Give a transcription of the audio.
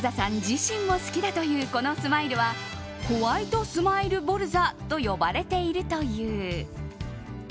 自身も好きだというこのスマイルはホワイト・スマイル・ボルザと呼ばれているという。